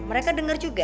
mereka denger juga